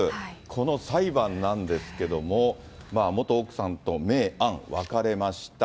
この裁判なんですけども、元奥さんと明暗分かれました。